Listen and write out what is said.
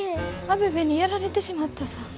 アベベにやられてしまったさぁ。